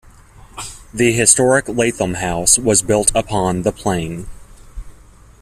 The historic Lathom House was built upon the plain.